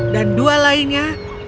dan dua lainnya